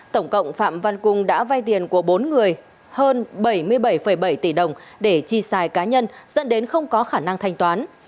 tổng cộng phạm văn cung đã vay tiền của bốn người hơn bảy mươi bảy bảy tỷ đồng để chi xài cá nhân dẫn đến không có khả năng thanh toán